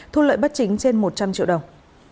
thu lợi bất chính trên một trăm linh triệu đồng